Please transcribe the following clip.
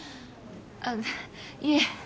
あっいえ。